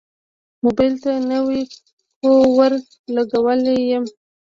موبایل ته نوی کوور لګولی یم.